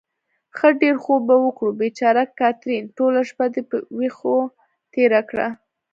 ښه ډېر خوب به وکړو. بېچاره کاترین، ټوله شپه دې په وېښو تېره کړه.